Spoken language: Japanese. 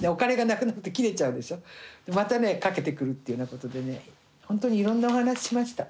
またかけてくるっていうようなことでねほんとにいろんなお話しました。